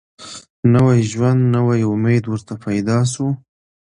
نوی ژوند نوی امید ورته پیدا سو